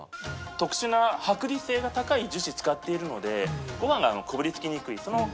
特殊な剥離性が高い樹脂使っているのでご飯がこびりつきにくい。